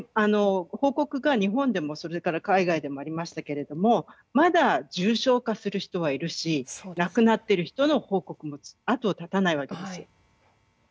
報告が日本でも海外でもありましたけれどもまだ、重症化する人はいるし亡くなっている人の報告も後を絶たないわけです。